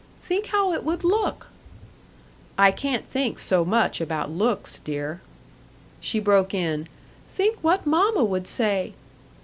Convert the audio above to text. "Think how it would look!" "I can't think so much about looks, dear " She broke in: "Think what Mamma would say!"